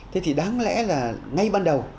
thế thì đáng lẽ là ngay ban đầu